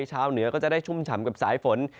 ชาวเหนือก็จะได้ชุ่มฉ่ำกับสายฝน